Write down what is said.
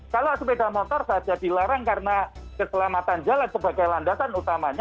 kalau sepeda motor saja dilarang karena keselamatan jalan sebagai landasan utamanya